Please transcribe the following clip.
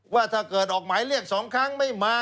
ว่าถ้าเกิดออกหมายเรียก๒ครั้งไม่มา